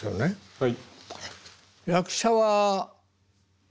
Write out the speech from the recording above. はい。